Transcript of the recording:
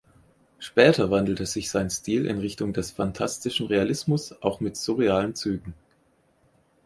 Später wandelte sich sein Stil in Richtung des Phantastischen Realismus, auch mit surrealen Zügen.